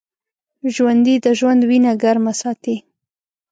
ژوندي د ژوند وینه ګرمه ساتي